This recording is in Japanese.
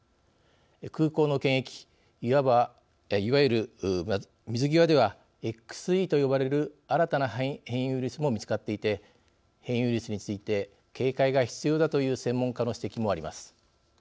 空港の検疫いわゆる水際ではＸＥと呼ばれる新たな変異ウイルスも見つかっていて変異ウイルスについて警戒が必要だという専門家の指摘もあります。